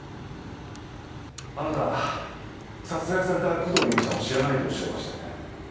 あなた殺害された工藤由美さんを知らないとおっしゃいましたよね。